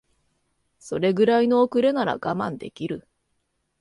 それぐらいの遅れなら我慢できる